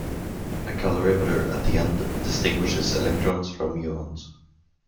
A calorimeter at the end distinguishes electrons from muons.